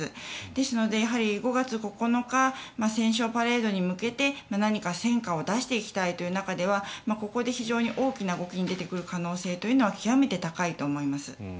ですので５月９日戦勝パレードに向けて戦果を出していきたいという中ではここで非常に大きな動きに出てくる可能性は極めて高いと思います。